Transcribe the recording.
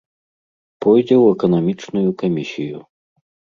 Пойдзе ў эканамічную камісію!